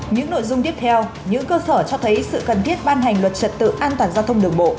những nội dung tiếp theo những cơ sở cho thấy sự cần thiết ban hành luật trật tự an toàn giao thông đường bộ